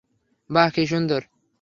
বাহ, কি সুন্দর।